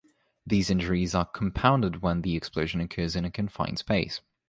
These injuries are compounded when the explosion occurs in a confined space.